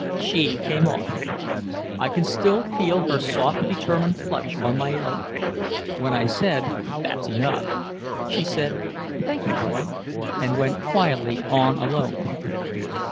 She came on. I can still feel her soft determined clutch on my elbow. When I said, "That's enough," she said, "Thank you, Boy," and went quietly on alone.